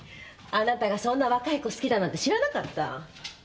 あなたがそんな若い子好きだなんて知らなかった。